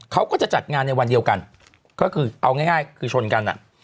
เขาก็จะจัดงานในวันเดียวกันก็คือเอาง่ายคือชนกันอ่ะ